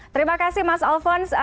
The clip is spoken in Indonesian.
terima kasih mas alvons